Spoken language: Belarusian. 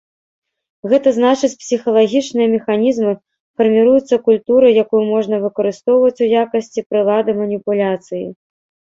Гэта значыць псіхалагічныя механізмы фарміруюцца культурай, якую можна выкарыстоўваць у якасці прылады маніпуляцыі.